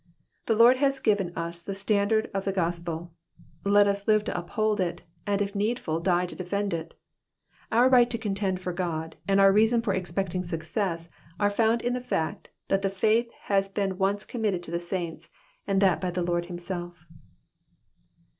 The Lord has given us the standard of the gospel, let us live to uphold it, and if needful die to defend it. Our right to contend for God, and our reason for expecting success, are found in the fact that the faith has been once committed to the saints, and that by the Lord himself.